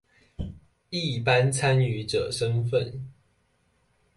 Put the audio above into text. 一般參與者身分